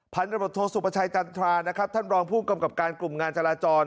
พันธบทโทสุประชัยจันทรานะครับท่านรองผู้กำกับการกลุ่มงานจราจร